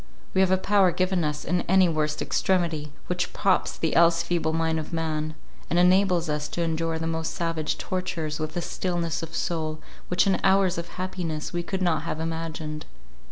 We have a power given us in any worst extremity, which props the else feeble mind of man, and enables us to endure the most savage tortures with a stillness of soul which in hours of happiness we could not have imagined.